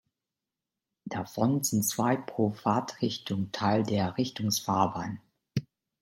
Davon sind zwei pro Fahrtrichtung Teil der Richtungsfahrbahn.